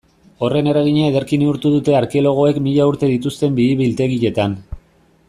Horren eragina ederki neurtu dute arkeologoek mila urte dituzten bihi-biltegietan.